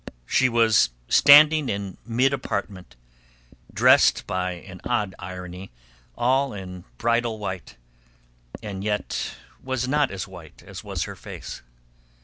She was standing in mid apartment, dressed by an odd irony all in bridal white, that yet was not as white as was her face.